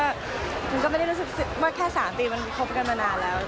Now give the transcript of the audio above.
มันก็ไม่ได้รู้สึกว่าแค่๓ปีมันคบกันมานานแล้ว